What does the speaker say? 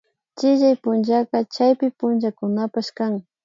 Chillay punllaka chawpi punchakunapapash kan